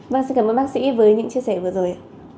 vâng xin cảm ơn bác sĩ với những chia sẻ vừa rồi ạ